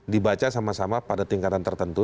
dibaca sama sama pada tingkatan tertentu